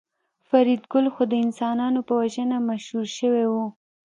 فریدګل خو د انسانانو په وژنه مشهور شوی و